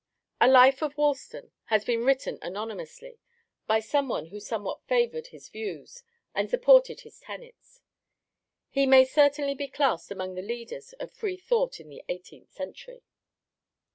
A Life of Woolston has been written anonymously by some one who somewhat favoured his views and supported his tenets. He may certainly be classed among the leaders of Free Thought in the eighteenth century.